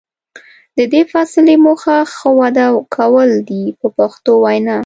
د دې فاصلې موخه ښه وده کول دي په پښتو وینا.